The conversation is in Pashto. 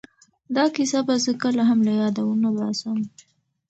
دا کیسه به زه کله هم له یاده ونه باسم.